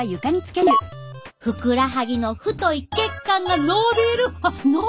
ふくらはぎの太い血管がのびるのびる！